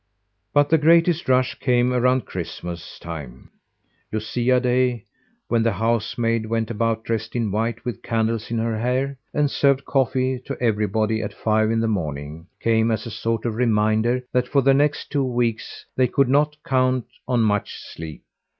But the greatest rush came around Christmas time. Lucia Day when the housemaid went about dressed in white, with candles in her hair, and served coffee to everybody at five in the morning came as a sort of reminder that for the next two weeks they could not count on much sleep.